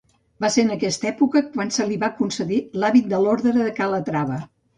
Va ser en aquesta època quan se li va concedir l'hàbit de l'orde de Calatrava.